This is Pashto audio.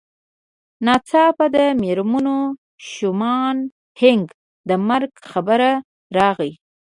ناڅاپه د مېرمن شومان هينک د مرګ خبر راغی.